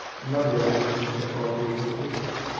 Una variante de este nombre o apellido es Gil.